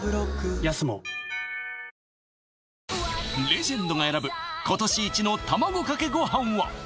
レジェンドが選ぶ今年イチの卵かけごはんは？